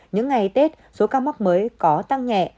những ngày tết số ca mắc mới có tăng nhẹ